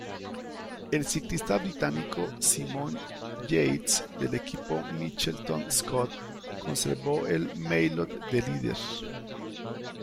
El ciclista británico Simon Yates del equipo Mitchelton-Scott conservó el maillot de líder.